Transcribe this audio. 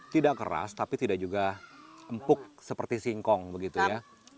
tidak keras tapi tidak juga empuk seperti singkong begitu ya